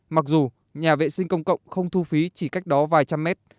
mặc dù nhà vệ sinh công cộng không thu phí chỉ cách đó vài trăm mét